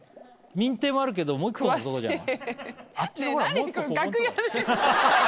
亭もあるけどもう一個のとこじゃない？